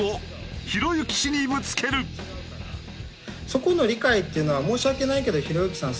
そこの理解っていうのは申し訳ないけどひろゆきさん